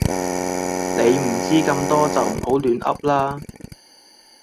你唔知咁多就唔好亂嗡啦